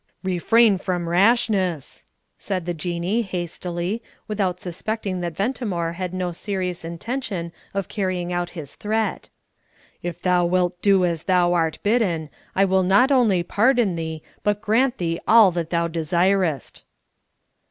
"Refrain from rashness!" said the Jinnee, hastily, without suspecting that Ventimore had no serious intention of carrying out his threat. "If thou wilt do as thou art bidden, I will not only pardon thee, but grant thee all that thou desirest."